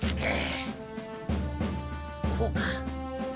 こうか？